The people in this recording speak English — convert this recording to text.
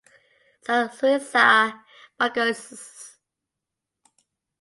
Zawisza Bydgoszcz